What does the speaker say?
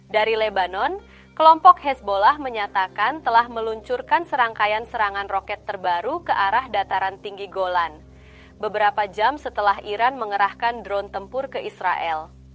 dari lebanon kelompok hasbola menyatakan telah meluncurkan serangkaian serangan roket terbaru ke arah dataran tinggi golan beberapa jam setelah iran mengerahkan drone tempur ke israel